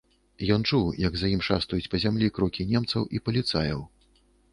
Ён чуў, як за ім шастаюць па зямлі крокі немцаў і паліцаяў.